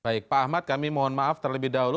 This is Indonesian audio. baik pak ahmad kami mohon maaf terlebih dahulu